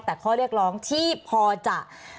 แต่ข้อเรียกร้องที่พอจะ